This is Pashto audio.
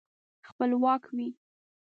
خپلواک وي.